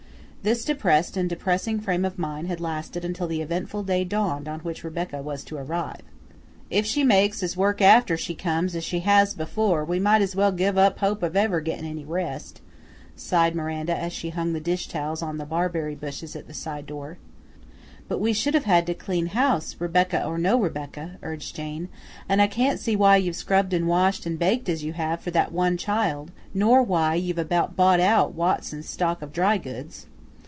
This depressed and depressing frame of mind had lasted until the eventful day dawned on which Rebecca was to arrive. "If she makes as much work after she comes as she has before, we might as well give up hope of ever gettin' any rest," sighed Miranda as she hung the dish towels on the barberry bushes at the side door. "But we should have had to clean house, Rebecca or no Rebecca," urged Jane; "and I can't see why you've scrubbed and washed and baked as you have for that one child, nor why you've about bought out Watson's stock of dry goods."